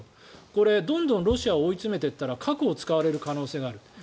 これ、どんどんロシアを追い詰めていったら核を使われる可能性がある。